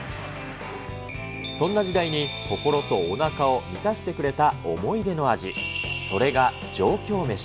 そんな時代に心とおなかを満たしてくれた思い出の味、それが上京メシ。